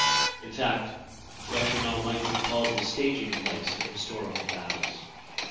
In fact, Yoshino might be called the staging place of historical battles.